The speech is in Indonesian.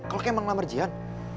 kalau kayak emang ngelamar jihan